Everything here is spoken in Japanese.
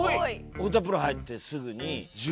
太田プロ入ってすぐに。